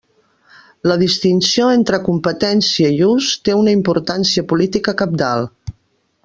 La distinció entre competència i ús té una importància política cabdal.